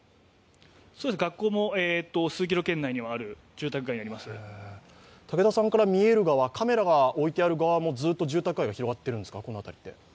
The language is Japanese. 学校も数キロ圏内にはあります、住宅圏内にあります竹田さんから見える側、カメラが置いてある側も住宅街がひろがっているんですか？